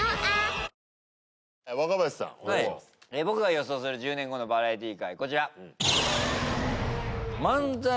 僕が予想する１０年後のバラエティー界こちら。